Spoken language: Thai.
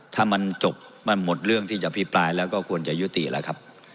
ถ้ามันจบมันหมดเรื่องที่จะอภิปรายแล้วก็ควรจะยุติแล้วครับ